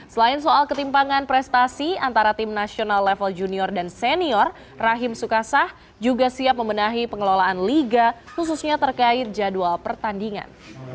selain soal ketimpangan prestasi antara tim nasional level junior dan senior rahim sukasah juga siap membenahi pengelolaan liga khususnya terkait jadwal pertandingan